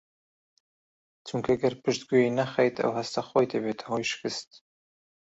چونکە گەر پشتگوێی نەخەیت ئەو هەستە خۆی دەبێتە هۆی شکستت